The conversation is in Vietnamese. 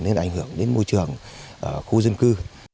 nên là ảnh hưởng đến môi trường khu dân cư